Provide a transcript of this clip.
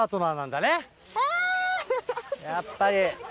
やっぱり。